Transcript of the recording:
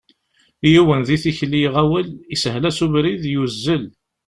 Yiwen di tikli iɣawel, ishel-as ubrid, yuzzel.